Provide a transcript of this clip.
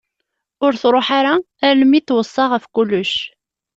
Ur truḥ ara armi i t-tweṣṣa ɣef kullec.